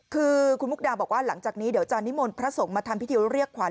คือคุณมุกดาบอกว่าหลังจากนี้เดี๋ยวจะนิมนต์พระสงฆ์มาทำพิธีเรียกขวัญ